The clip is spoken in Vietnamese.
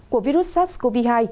của virus sars cov hai